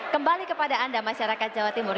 kembali kepada anda masyarakat jawa timur